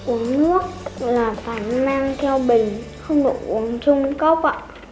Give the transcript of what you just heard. uống nước là phải mang theo bình không được uống chung cốc